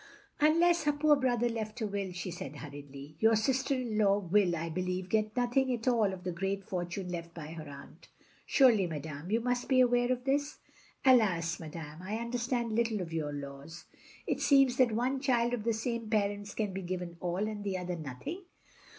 "Unless her poor brother left a will," she said, hurriedly, "your sister in law will, I believe, get nothing at all of the great fortune left by her aunt. Surely, madame, you must be aware of this?" "Alas, madame, I understand little of your laws. It seems that one child of the same parents can be given all, and another nothing.